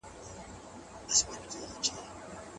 ایا مسلکي بزګر وچ انار پلوري؟